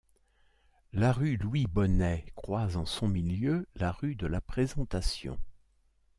La rue Louis-Bonnet croise en son milieu la rue de la Présentation.